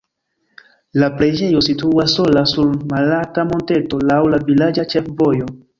La preĝejo situas sola sur malalta monteto laŭ la vilaĝa ĉefvojo.